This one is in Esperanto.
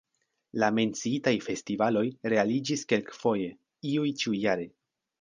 La menciitaj festivaloj realiĝis kelkfoje, iuj ĉiujare.